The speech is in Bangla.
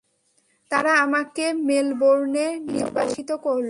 তারা আমাকে মেলবোর্নে নির্বাসিত করল।